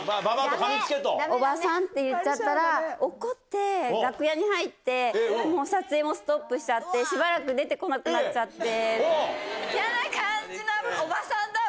おばさんって言っちゃったら、怒って、楽屋に入って、もう撮影もストップしちゃって、しばらく出てこなくなっちゃって。